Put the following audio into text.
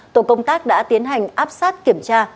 tổ công tác đã tiến hành áp sát kiểm tra